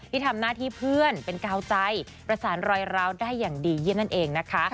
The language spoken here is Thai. ที่ทำหน้าที่เพื่อนเป็นกาวใจประสานรอยร้าวได้อย่างดีเยี่ยมนั่นเองนะคะ